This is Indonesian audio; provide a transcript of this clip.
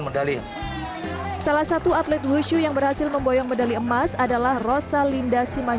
medali salah satu atlet wushu yang berhasil memboyong medali emas adalah rosalinda siman